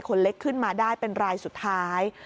คนเล็กขึ้นมาได้เป็นรายสุดท้าย